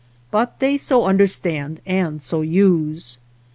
But they so under stand and so use.